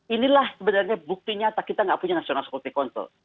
inilah sebenarnya buktinya kita tidak punya nasional sekolah kulti konsul